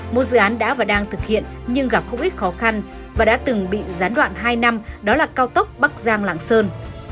một dự án đã và đang thực hiện nhưng gặp không ít khó khăn và đã từng bị gián đoạn hai năm đó là cao tốc bắc giang lạng sơn